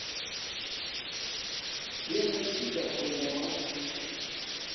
ئێمە چی دەخۆینەوە؟